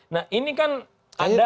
nah ini kan ada